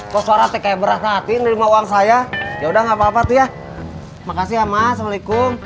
kok suara teh kayak berasa hati nulis uang saya ya udah nggak papa tuh ya makasih ya mas assalamualaikum